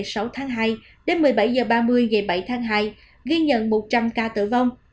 số bệnh nhân đến một mươi bảy h ba mươi ngày bảy tháng hai ghi nhận một trăm linh ca tử vong